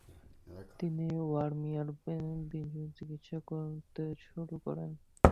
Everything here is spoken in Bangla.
তিনি ওয়ারমিয়ার বিসপদের চিকিৎসা করতে শুরু করেন।